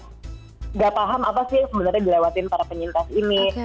tidak paham apa sih yang sebenarnya dilewatin para penyintas ini